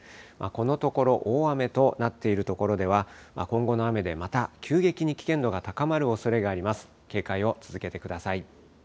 このところ、大雨となっている所では、今後の雨でまた急激に危険度が高まるおそれがあります。